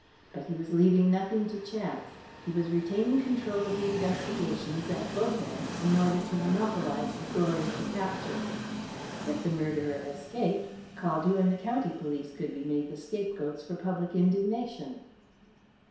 But he was leaving nothing to chance. He was retaining control of the investigations at both ends in order to monopolize the glory of the capture. If the murderer escaped, Caldew and the county police could be made the scapegoats for public indignation.